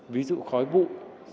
ví dụ khói bụng